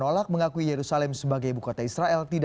agar mengambil resiko terhadap indonesia